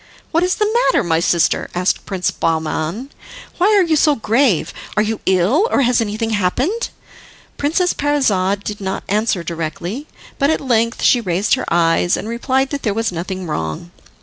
"What is the matter, my sister?" asked Prince Bahman; "why are you so grave? Are you ill? Or has anything happened?" Princess Parizade did not answer directly, but at length she raised her eyes, and replied that there was nothing wrong.